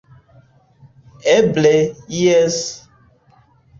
- Eble, jes!